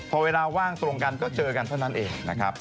พอเวลาว่างตรงกันก็เจอกันเท่านั้นเองนะครับ